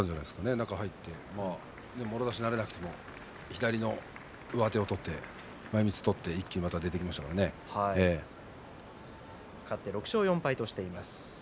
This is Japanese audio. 中に入ってもろ差しになれなくても左の上手を取って前みつを取って勝って６勝４敗としています。